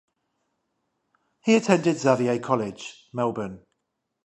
He attended Xavier College, Melbourne.